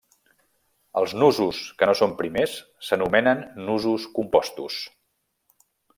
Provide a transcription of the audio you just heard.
Els nusos que no són primers s'anomenen nusos compostos.